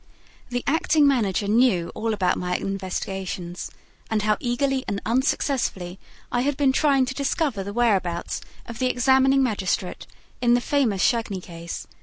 The acting manager knew all about my investigations and how eagerly and unsuccessfully I had been trying to discover the whereabouts of the examining magistrate in the famous Chagny case, M.